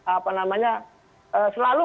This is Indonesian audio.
apa namanya selalu